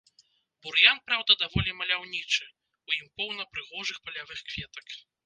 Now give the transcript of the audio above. Бур'ян, праўда, даволі маляўнічы, у ім поўна прыгожых палявых кветак.